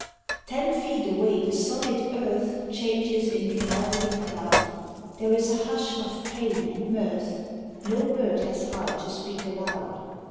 Ten feet away the solid earth Changes into melting cloud, There is a hush of pain and mirth, No bird has heart to speak aloud.